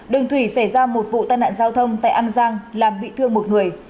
đường thủy xảy ra một vụ tai nạn giao thông tại an giang làm bị thương một người